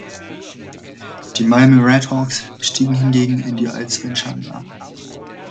Die Malmö Redhawks stiegen hingegen in die Allsvenskan ab.